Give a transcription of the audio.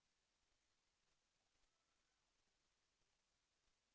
แสวได้ไงของเราก็เชียนนักอยู่ค่ะเป็นผู้ร่วมงานที่ดีมาก